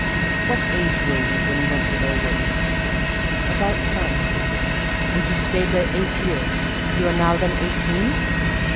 "What age were you when you went to Lowood?" "About ten." "And you stayed there eight years: you are now, then, eighteen?"